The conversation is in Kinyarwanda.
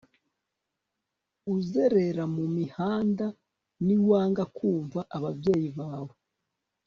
uzerera mu mihanda ni wanga kumvira ababyeyi bawe